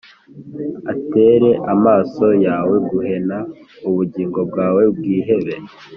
atere amaso yawe guhena,+ ubugingo bwawe bwihebe